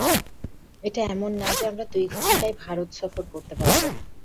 এটা এমন না যে আমরা দুই ঘন্টায় ভারত সফর করতে পারব।